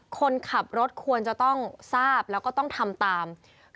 คนขับรถควรจะต้องทราบแล้วก็ต้องทำตาม